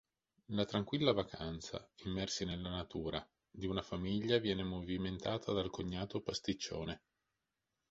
La tranquilla vacanza, immersi nella natura, di una famiglia viene movimentata dal cognato pasticcione.